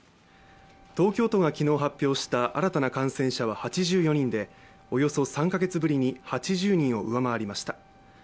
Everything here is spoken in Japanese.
東京都が昨日発表した新たな感染者は８４人でおよそ３カ月ぶりに８０人を上回りました。